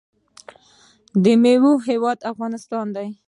د میوو هیواد افغانستان.